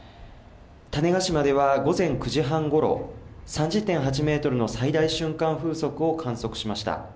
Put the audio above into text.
種子島では午前９時半ごろ、３０．８メートルの最大瞬間風速を観測しました。